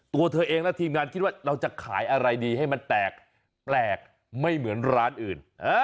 ตัวเธอเองและทีมงานคิดว่าเราจะขายอะไรดีให้มันแปลกไม่เหมือนร้านอื่น